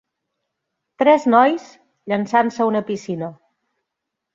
Tres nois llançant-se a una piscina.